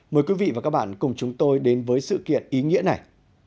mời quý vị và các bạn cùng chúng tôi đến với sự kiện ý nghĩa này